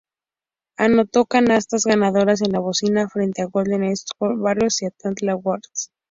Anotó canastas ganadoras en la bocina frente a Golden State Warriors y Atlanta Hawks.